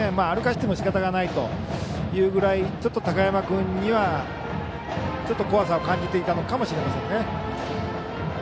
歩かせてもしかたがないというぐらいちょっと高山君には怖さを感じていたのかもしれませんね。